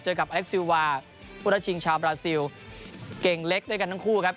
กับอเล็กซิลวาผู้ราชชิงชาวบราซิลเก่งเล็กด้วยกันทั้งคู่ครับ